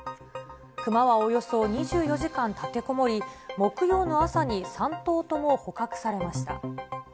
熊はおよそ２４時間立てこもり、木曜の朝に３頭とも捕獲されました。